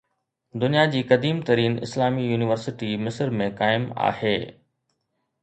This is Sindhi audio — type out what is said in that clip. دنيا جي قديم ترين اسلامي يونيورسٽي مصر ۾ قائم آهي.